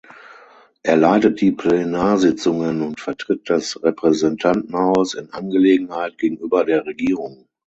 Er leitet die Plenarsitzungen und vertritt das Repräsentantenhaus in Angelegenheiten gegenüber der Regierung.